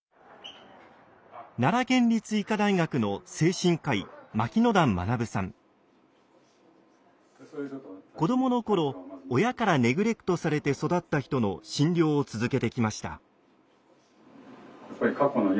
奈良県立医科大学の精神科医子どもの頃親からネグレクトされて育った人の診療を続けてきました。